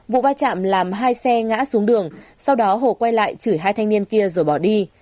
vụ va chạm làm hai xe ngã xuống đường sau đó hồ quay lại chửi hai thanh niên kia rồi bỏ đi